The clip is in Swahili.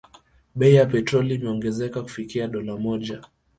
Bei ya petroli imeongezeka kufikia dola moja